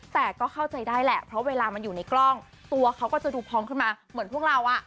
แต่ก็เข้าใจได้แหละเพราะเวลามันอยู่ในกล้องตัวเขาก็จะดูพร้อมขึ้นมาเหมือนพวกเราอ่ะ